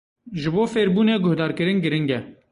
Ji bo fêrbûnê guhdarkirin giring e.